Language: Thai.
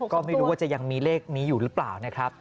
ก็ไม่รู้ว่าจะยังมีเลขนี้อยู่หรือเปล่านะครับ